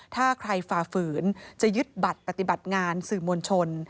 ถ้าใครฝ่าฝืนจะยึดบัตรปฏิบัติงานสื่อมวลชน